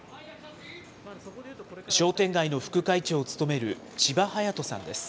商店街の副会長を務める千葉速人さんです。